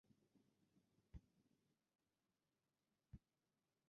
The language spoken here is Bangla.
এ চুক্তিকে তিনি স্বপ্ন সত্য হয়েছে বলে জানান।